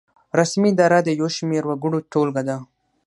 رسمي اداره د یو شمیر وګړو ټولګه ده.